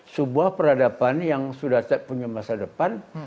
sebuah peradaban yang sudah punya masa depan